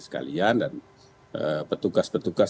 sekalian dan petugas petugas